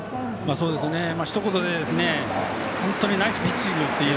ひと言で言えば本当にナイスピッチング。